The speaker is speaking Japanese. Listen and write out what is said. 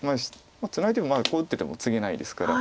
ツナいでもこう打っててもツゲないですから。